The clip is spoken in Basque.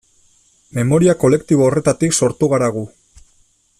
Memoria kolektibo horretatik sortu gara gu.